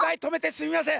すいません！